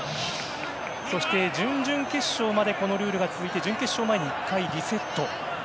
そして、準々決勝までこのルールが続いて準決勝前に１回リセット。